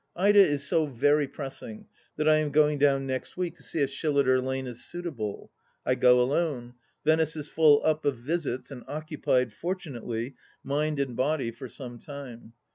Ida is so very pressing that I am going down next week to see if Shilliter Lane is suitable. I go alone. Venice is full up of visits, and occupied, fortunately, mind and body, for some time.